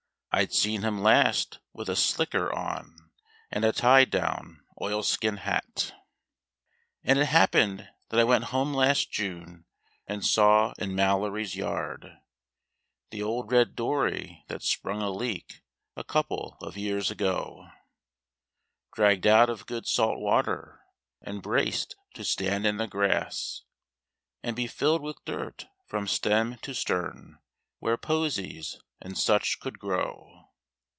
(I'd seen him last with a slicker on and a tied down oilskin hat.) And it happened that I went home last June, and saw in Mallory's yard The old red dory that sprung a leak a couple of years ago, Dragged out of good salt water and braced to stand in the grass And be filled with dirt from stem to stern, where posies and such could grow.